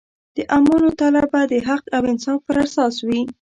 د اعمالو تله به د حق او انصاف پر اساس وي.